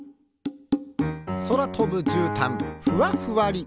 そらとぶじゅうたんふわふわり。